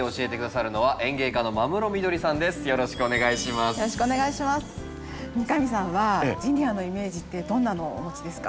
三上さんはジニアのイメージってどんなのをお持ちですか？